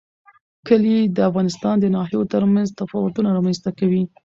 کلي د افغانستان د ناحیو ترمنځ تفاوتونه رامنځ ته کوي.